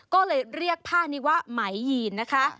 ก็เลยเรียกผ้านี้ว่าไหมยีนนะคะ